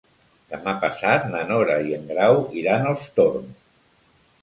Demà passat na Nora i en Grau iran als Torms.